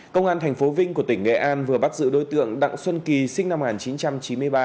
công an tp vinh của tỉnh nghệ an vừa bắt giữ đối tượng đặng xuân kỳ sinh năm một nghìn chín trăm chín mươi ba